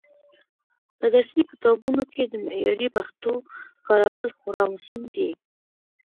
په درسي کتابونو کې د معیاري پښتو کارول خورا مهم دي.